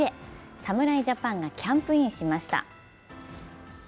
侍ジャパンがキャンプインしました。